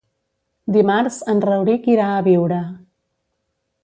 Dimarts en Rauric irà a Biure.